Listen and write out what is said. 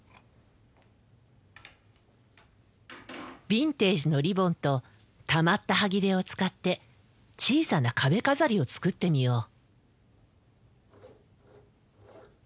ビンテージのリボンとたまったはぎれを使って小さな壁飾りを作ってみよう。